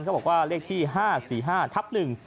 เขาบอกว่าเลขที่๕๔๕ทับ๑